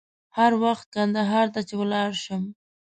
هر وخت کندهار ته چې ولاړ شم.